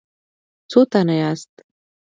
څو تنه یاست؟